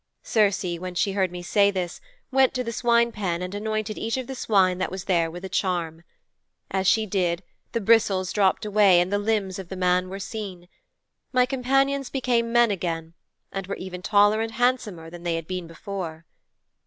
"' 'Circe, when she heard me say this, went to the swine pen and anointed each of the swine that was there with a charm. As she did, the bristles dropped away and the limbs of the man were seen. My companions became men again, and were even taller and handsomer than they had been before.'